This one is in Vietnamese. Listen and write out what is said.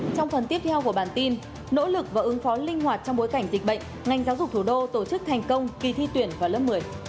trong phần tiếp theo của bản tin nỗ lực và ứng phó linh hoạt trong bối cảnh dịch bệnh ngành giáo dục thủ đô tổ chức thành công kỳ thi tuyển vào lớp một mươi